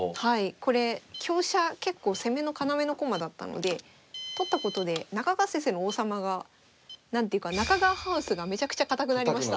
これ香車結構攻めの要の駒だったので取ったことで中川先生の王様が何ていうか中川ハウスがめちゃくちゃ堅くなりました。